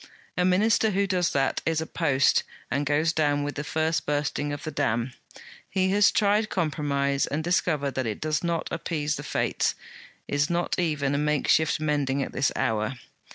A Minister who does that, is a post, and goes down with the first bursting of the dam. He has tried compromise and discovered that it does not appease the Fates; is not even a makeshift mending at this hour.